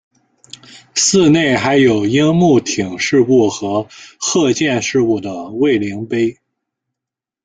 寺内还有樱木町事故和鹤见事故的慰灵碑。